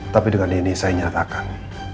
tapi dengan ini saya nyatakan